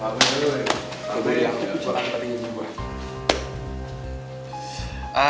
jangan lupa simpan janji gue